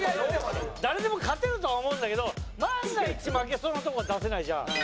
誰でも勝てるとは思うんだけど万が一負けそうなとこは出せないじゃん。